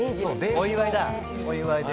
お祝いだ。